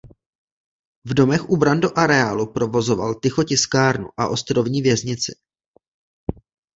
V domech u bran do areálu provozoval Tycho tiskárnu a ostrovní věznici.